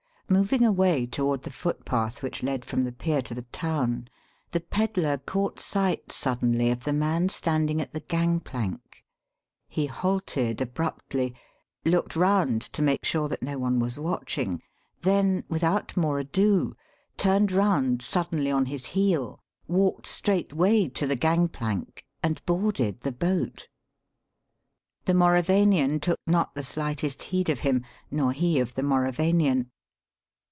Moving away toward the footpath which led from the pier to the town, the pedler caught sight suddenly of the man standing at the gangplank; he halted abruptly, looked round to make sure that no one was watching, then, without more ado, turned round suddenly on his heel, walked straightway to the gangplank and boarded the boat. The Mauravanian took not the slightest heed of him, nor he of the Mauravanian.